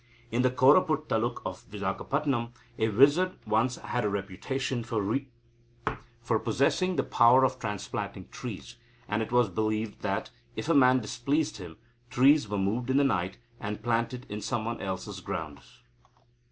In the Koraput taluk of Vizagapatam, a wizard once had a reputation for possessing the power of transplanting trees, and it was believed that, if a man displeased him, his trees were moved in the night, and planted in some one else's grounds.